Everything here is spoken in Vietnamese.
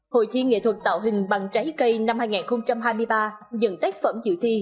hội thi nghệ thuật tạo hình bằng trái cây năm hai nghìn hai mươi ba dẫn tác phẩm dự thi